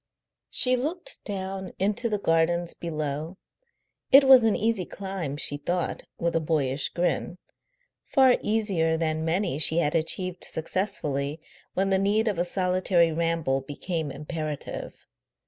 She looked down into the gardens below. It was an easy climb, she thought, with a boyish grin far easier than many she had achieved successfully when the need of a solitary ramble became imperative.